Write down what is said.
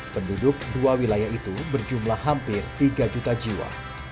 penduduk dua wilayah itu berjumlah hampir tiga juta jiwa